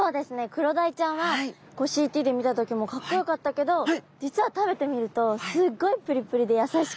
クロダイちゃんはＣＴで見た時もかっこよかったけど実は食べてみるとすっごいプリプリでやさしくて。